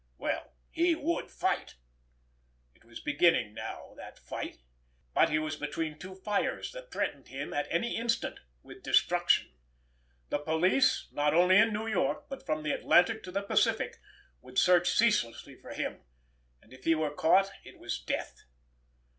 Well, he would fight! It was beginning now, that fight. But he was between two fires that threatened him at any instant with destruction. The police, not only in New York, but from the Atlantic to the Pacific, would search ceaselessly for him, and if he were caught it was death.